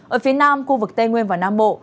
ở phía nam khu vực tây nguyên và nam bộ